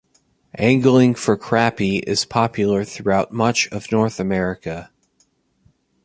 Angling for crappie is popular throughout much of North America.